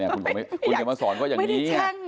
คุณจะมาสอนก็อย่างนี้